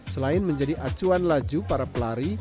selain menjadi acuan laju para pelari